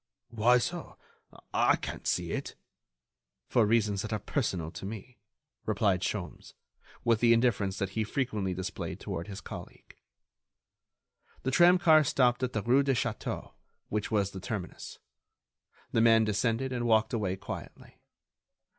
"Why so? I can't see it." "For reasons that are personal to me," replied Sholmes, with the indifference that he frequently displayed toward his colleague. The tramcar stopped at the rue de Château, which was the terminus. The man descended and walked away quietly.